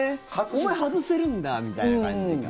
お前、外せるんだみたいな感じか。